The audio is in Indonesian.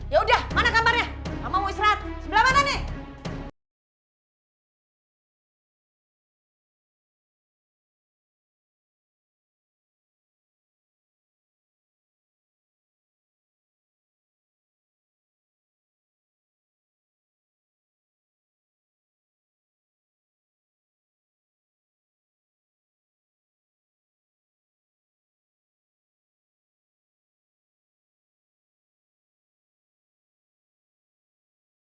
ya udah mana kamarnya mama mau istirahat sebelah mana nih